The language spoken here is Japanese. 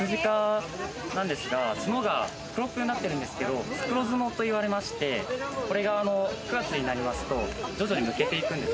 角が黒くなってるんですけれども、黒角と言われまして、これが９月になりますと徐々にむけていくんです。